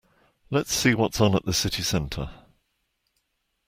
Let's see what's on at the city centre